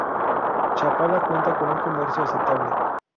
Chapala cuenta con un comercio aceptable.